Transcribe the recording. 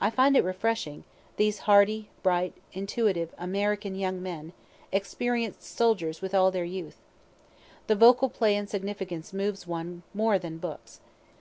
I find it refreshing, these hardy, bright, intuitive, American young men, (experienc'd soldiers with all their youth.) The vocal play and significance moves one more than books.